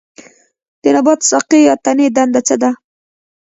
د نبات ساقې یا تنې دنده څه ده